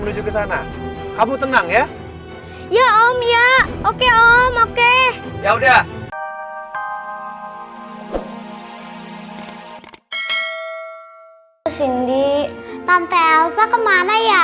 lanjut ke sana kamu tenang ya ya om ya oke om oke ya udah hai sindi tante elsa kemana ya